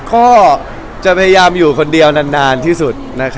ก็จะพยายามอยู่คนเดียวนานที่สุด